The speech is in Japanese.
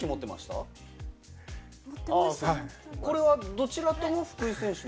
どちらとも福井選手の？